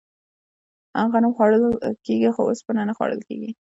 غنم خوړل کیږي خو اوسپنه نه خوړل کیږي.